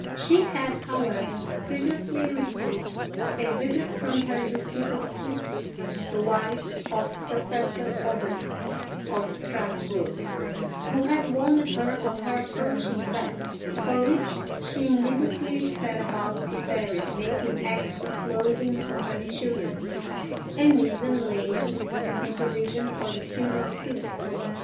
She had, however, previously received a visit from her deceased sister, the wife of Professor Oberlin, of Strasburg, who had warned her of her approaching death, for which she immediately set about preparing, making extra clothing for her children, and even laying in provision for the funeral feast.